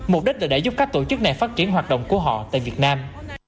mục đích là để giúp các tổ chức này phát triển hoạt động của họ tại việt nam